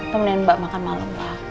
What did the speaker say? pemenin mbak makan malam pak